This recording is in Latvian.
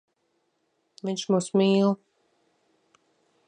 Viņš mūs mīl.